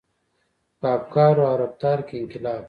• په افکارو او رفتار کې انقلاب و.